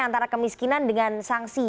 antara kemiskinan dengan sanksi